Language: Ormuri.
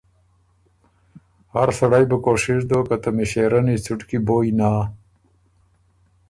هر سړئ بُو کوشش دوک که ته مݭېرنی څُټکی بویٛ نا